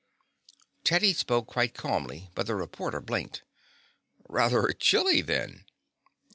Teddy spoke quite casually, but the reporter blinked. "Rather chilly, then."